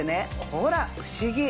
ほら不思議！